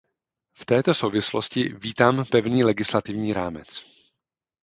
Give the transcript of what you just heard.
V této souvislosti vítám pevný legislativní rámec.